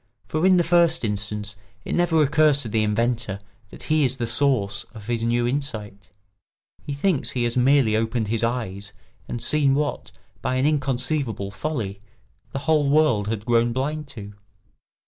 For in the first instance it never occurs to the inventor that he is the source of his new insight; he thinks he has merely opened his eyes and seen what, by an inconceivable folly, the whole world had grown blind to.